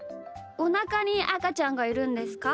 おなかにあかちゃんがいるんですか？